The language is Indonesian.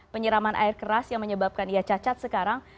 penyiraman air keras yang menyebabkan ia cacat sekarang